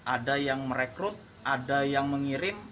ada yang merekrut ada yang mengirim